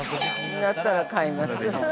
◆なったら買います。